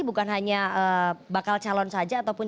bukan hanya bakal calon saja ataupun